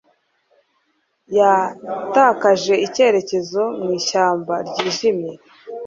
Yatakaje icyerekezo mu ishyamba ryijimye.